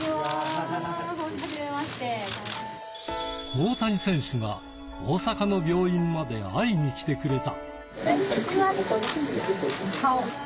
大谷選手が大阪の病院まで会いに来てくれた。